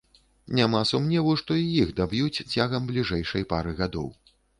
Няма сумневу, што і іх даб'юць цягам бліжэйшай пары гадоў.